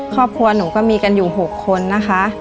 ครอบครัวหนูก็มีกันอยู่๖คนนะคะ